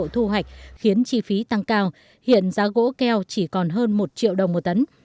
trong khi đó thu hoạch khiến chi phí tăng cao hiện giá gỗ keo chỉ còn hơn một triệu đồng một tấn